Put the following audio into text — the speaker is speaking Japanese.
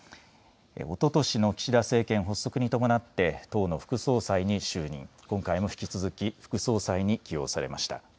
おととしの岸田政権発足に伴って党の副総裁に就任、今回も引き続き副総裁に起用されました。